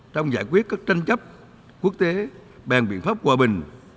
trong giải quyết các tranh chấp quốc tế bàn biện pháp hòa bình